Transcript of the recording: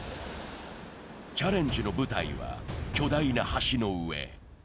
チャレンジの舞台は巨大な橋の上。